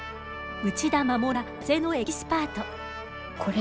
内田衛は風のエキスパート。